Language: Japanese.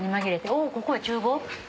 おここは厨房？